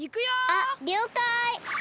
あっりょうかい。